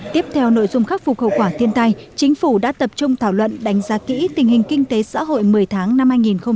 tiếp theo nội dung khắc phục hậu quả thiên tai chính phủ đã tập trung thảo luận đánh giá kỹ tình hình kinh tế xã hội một mươi tháng năm hai nghìn một mươi chín